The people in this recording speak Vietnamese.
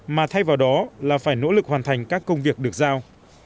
mà thay vào đó là phải nỗ lực hoàn thành các công việc được giao